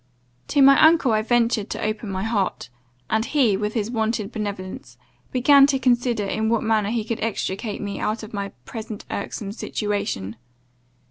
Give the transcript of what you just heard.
"To my uncle I ventured to open my heart; and he, with his wonted benevolence, began to consider in what manner he could extricate me out of my present irksome situation.